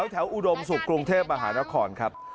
แถวอุดมสุขกรุงเทพฯอาหารขอนด์ครับ